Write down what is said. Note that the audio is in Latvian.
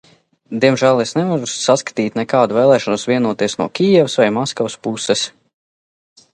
Diemžēl es nevaru saskatīt nekādu vēlēšanos vienoties no Kijevas vai Maskavas puses.